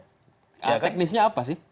teknisnya apa sih